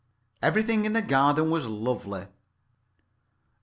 Everything in the garden was lovely.